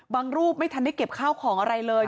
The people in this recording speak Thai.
รูปไม่ทันได้เก็บข้าวของอะไรเลย